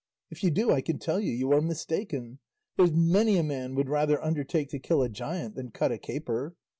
If you do, I can tell you you are mistaken; there's many a man would rather undertake to kill a giant than cut a caper.